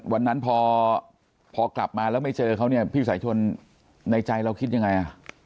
วันนั้นพอกลับมาแล้วไม่เจอเขาเนี่ยพี่สายชนในใจเราคิดยังไง